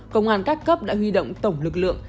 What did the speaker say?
công an các cấp đã huy động tổng lực lượng